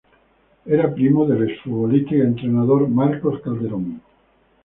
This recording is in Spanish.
Era primo del ex-futbolista y entrenador Marcos Calderón.